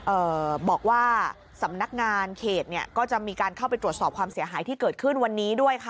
เอ่อบอกว่าสำนักงานเขตเนี่ยก็จะมีการเข้าไปตรวจสอบความเสียหายที่เกิดขึ้นวันนี้ด้วยค่ะ